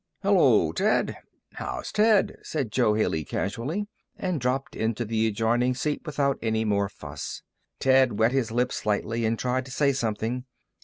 "Hello, Ted! How's Ted?" said Jo Haley, casually. And dropped into the adjoining seat without any more fuss. Ted wet his lips slightly and tried to say something.